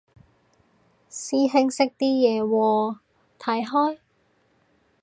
師兄識啲嘢喎，睇開？